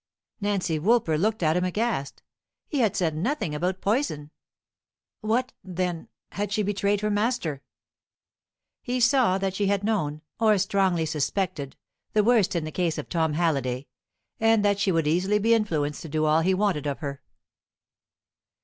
Nancy Woolper looked at him aghast. He had said nothing about poison! What, then had she betrayed her master? He saw that she had known, or strongly suspected, the worst in the case of Tom Halliday, and that she would easily be influenced to do all he wanted of her.